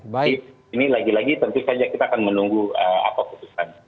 jadi ini lagi lagi tentu saja kita akan menunggu apa keputusan